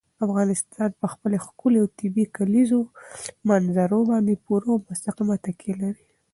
افغانستان په خپله ښکلې او طبیعي کلیزو منظره باندې پوره او مستقیمه تکیه لري.